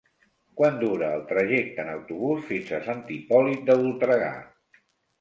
Quant dura el trajecte en autobús fins a Sant Hipòlit de Voltregà?